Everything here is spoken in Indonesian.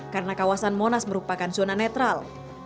karena kawasan monas merupakan zona netral